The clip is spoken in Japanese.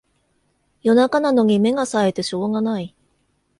夜中なのに目がさえてしょうがない